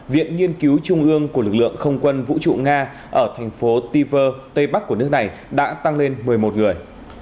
viện nghiên cứu trung ương của lực lượng không quân vũ trụ nga ở thành phố tiver tây bắc của nước này đã tăng lên một mươi một người